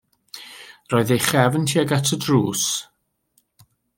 Roedd ei chefn tuag at y drws.